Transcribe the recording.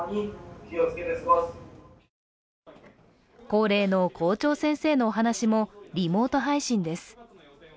恒例の校長先生のお話もリモートで配信です。